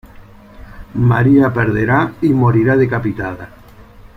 María perderá y morirá decapitada.